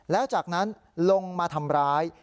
แล้วจากนั้นลงมาทำร้าย